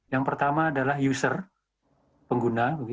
yang pertama adalah user pengguna